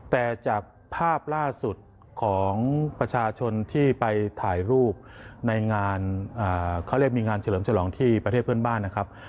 แต่จากภาพล่าสุดของประชาชนที่ไปถ่ายรูปในงานเขาเรียกมีงานเฉลิมฉลองที่ประเทศเพื่อนบ้านนะครับ